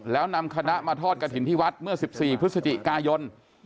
แล้วนำคณะมาทอดกระถิ่นที่วัดเมื่อ๑๔พฤศจิกายน